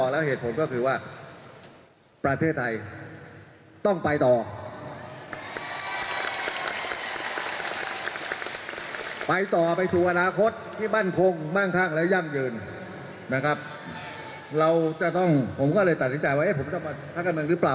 เราจะต้องผมก็เลยตัดสินใจว่าเอ๊ะผมจะมาท่ากรรมนึงหรือเปล่า